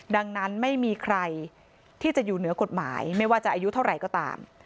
ดังนั้นไม่มีใครที่จะอยู่เหนือกฎหมายไม่ว่าจะอายุเท่าไหร่ก็ตาม